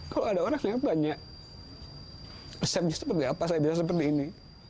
kalau ada orang yang banyak resepnya seperti apa saya bisa seperti ini